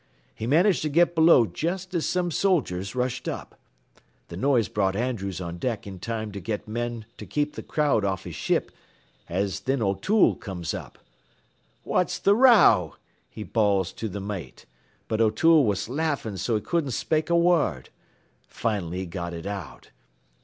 He managed to get below jest as some soldiers rushed up. Th' noise brought Andrews on deck in time to get men to keep th' crowd off his ship, an' thin O'Toole comes up. "'What's th' row?' he bawls to th' mate, but O'Toole ware laffin' so he couldn't spake a whurd. Finally he got it out.